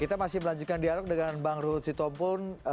kita masih melanjutkan dialog dengan bang rohut sither tompul